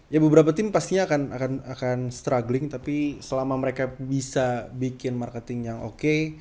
ya beberapa tim pastinya akan struggling tapi selama mereka bisa bikin marketing yang oke